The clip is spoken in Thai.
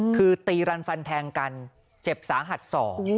คือตีรันฟันแทงกันเจ็บสาหัสสอง